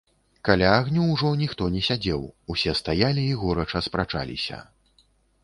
Каля агню ўжо ніхто не сядзеў, усе стаялі і горача спрачаліся.